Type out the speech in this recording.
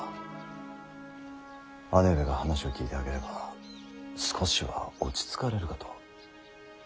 姉上が話を聞いてあげれば少しは落ち着かれるかと。